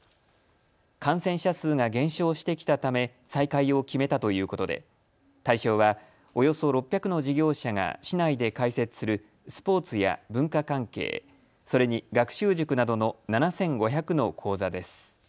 感染者数が減少してきたため再開を決めたということで対象はおよそ６００の事業者が市内で開設するスポーツや文化関係、それに学習塾などの７５００の講座です。